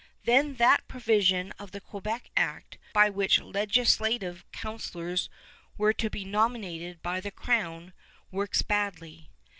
Then that provision of the Quebec Act, by which legislative councilors were to be nominated by the crown, works badly.